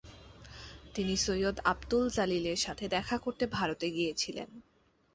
তিনি সৈয়দ আবদুল জালিলের সাথে দেখা করতে ভারতে গিয়েছিলেন।